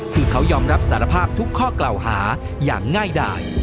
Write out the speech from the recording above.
คือเขายอมรับสารภาพทุกข้อกล่าวหาอย่างง่ายดาย